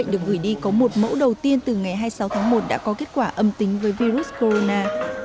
được gửi đi có một mẫu đầu tiên từ ngày hai mươi sáu tháng một đã có kết quả âm tính với virus corona